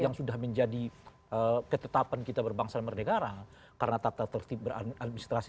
yang sudah menjadi ketetapan kita berbangsa dan bernegara karena tata tertib beradministrasi